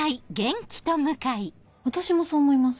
私もそう思います。